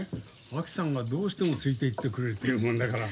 あきさんがどうしてもついていってくれると言うもんだから。